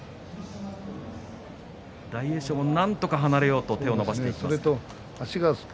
大栄翔、なんとか離れようと手を出しています。